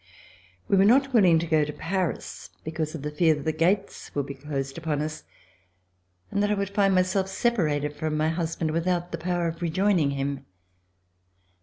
We were not willing to go to Paris, because of the fear that the gates would be closed upon us and that I would find myself separated from my husband v/ithout the power of rejoining him.